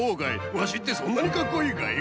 ワシってそんなにかっこいいかい？